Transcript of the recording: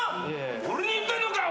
俺に言ってんのかよ！